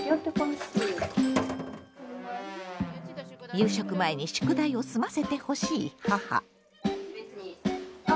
夕食前に宿題を済ませてほしい母。